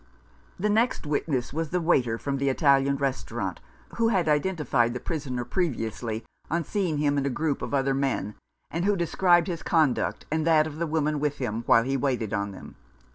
The next witness was the waiter from the Italian Restaurant, who had identified the prisoner previously on seeing him in a group of other men, and who described his conduct and that of the woman with him while he waited on them.